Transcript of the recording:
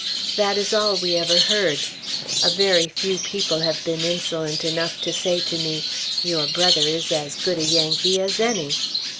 That is all we ever heard. A very few people have been insolent enough to say to me, "Your brother is as good a Yankee as any."